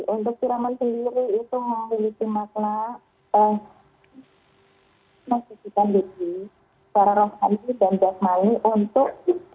untuk siraman sendiri itu memiliki makna memisahkan diri para roh kami dan jahmani untuk